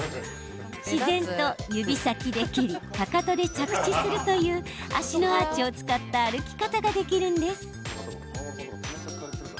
自然と、指先で蹴りかかとで着地するという足のアーチを使った歩き方ができるんです。